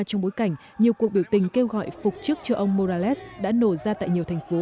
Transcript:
trong bối cảnh nhiều cuộc biểu tình kêu gọi phục chức cho ông morales đã nổ ra tại nhiều thành phố